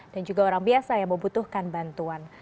juga orang biasa yang membutuhkan bantuan